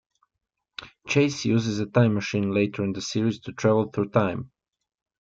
Chase uses a time machine later in the series to travel through time.